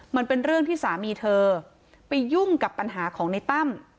มันเป็นเรื่องที่สามีเธอไปยุ่งกับปัญหาของในตั้ม